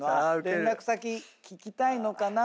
連絡先聞きたいのかなと。